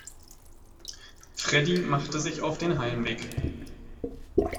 Freddie machte sich auf den Heimweg.